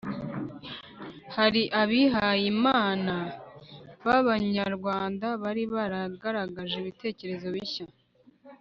hari abihayimana b'abanyarwanda bari baragaragaje ibitekerezo bishya